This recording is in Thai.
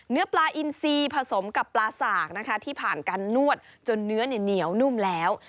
เนื้อปลาอินซีผสมกับปลาสากนะคะที่ผ่านการนวดจนเนื้อเหนียวนุ่มแล้ว